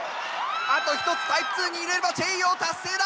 あと１つタイプ２に入れればチェイヨー達成だ！